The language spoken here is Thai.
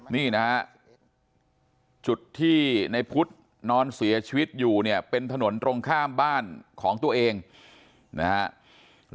นี่นะฮะจุดที่ในพุทธนอนเสียชีวิตอยู่เนี่ยเป็นถนนตรงข้ามบ้านของตัวเองนะครับ